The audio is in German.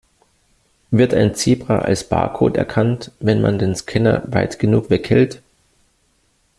Wird ein Zebra als Barcode erkannt, wenn man den Scanner weit genug weghält?